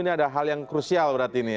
ini ada hal yang krusial berarti ini ya